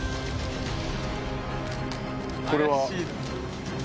これは？